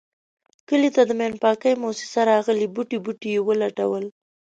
کلي ته د ماین پاکی موسیسه راغلې بوټی بوټی یې و لټولو.